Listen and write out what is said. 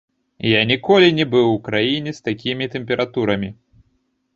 Я ніколі не быў у краіне з такімі тэмпературамі.